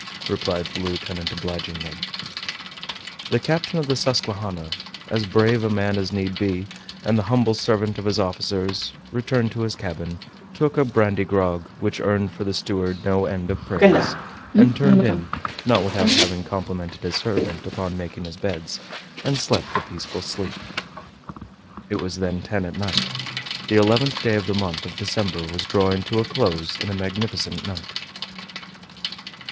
replied the lieutenant obligingly. The captain of the Susquehanna, as brave a man as need be, and the humble servant of his officers, returned to his cabin, took a brandy grog, which earned for the steward no end of praise, and turned in, not without having complimented his servant upon his making beds, and slept a peaceful sleep. It was then ten at night. The eleventh day of the month of December was drawing to a close in a magnificent night.